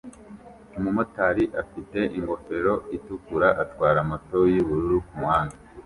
Umumotari ufite ingofero itukura atwara moto yubururu kumuhanda